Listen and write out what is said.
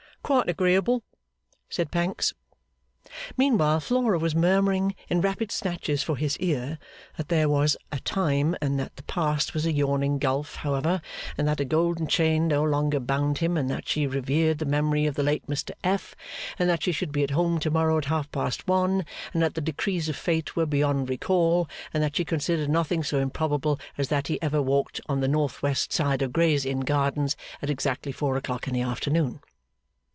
'Quite agreeable,' said Pancks. Meanwhile Flora was murmuring in rapid snatches for his ear, that there was a time and that the past was a yawning gulf however and that a golden chain no longer bound him and that she revered the memory of the late Mr F. and that she should be at home to morrow at half past one and that the decrees of Fate were beyond recall and that she considered nothing so improbable as that he ever walked on the north west side of Gray's Inn Gardens at exactly four o'clock in the afternoon.